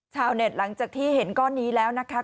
หลังจากที่เห็นก้อนนี้แล้วนะคะ